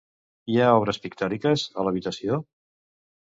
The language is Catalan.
Hi ha obres pictòriques, a l'habitació?